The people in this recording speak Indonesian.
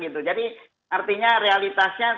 gitu jadi artinya realitasnya